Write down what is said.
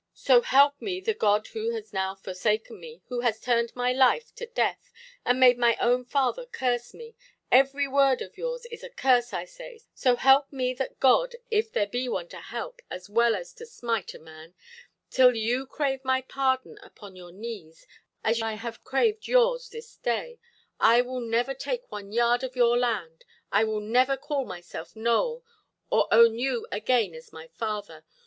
So help me the God who has now forsaken me, who has turned my life to death, and made my own father curse me—every word of yours is a curse, I say—so help me that God (if there be one to help, as well as to smite a man), till you crave my pardon upon your knees, as I have craved yours this day, I will never take one yard of your land, I will never call myself 'Nowell', or own you again as my father.